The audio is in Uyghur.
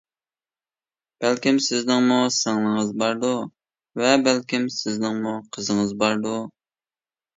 بەلكىم سىزنىڭمۇ سىڭلىڭىز باردۇ، ۋە بەلكىم سىزنىڭمۇ قىزىڭىز باردۇ.